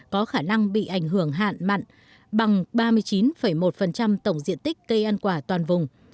có khả năng bị ảnh hưởng hạn mặn bằng ba mươi chín một tổng diện tích cây ăn quả toàn vùng